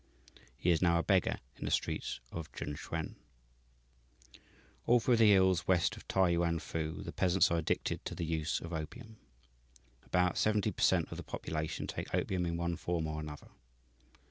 He is now a beggar in the streets of Jen Tsuen. "All through the hills west of Tai Yuan fu the peasants are addicted to the use of opium. About seventy per cent. of the population take opium in one form or another.